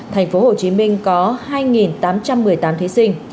thành phố hồ chí minh có hai tám trăm một mươi tám thí sinh